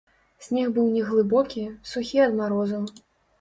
Снег быў не глыбокі, сухі ад марозу.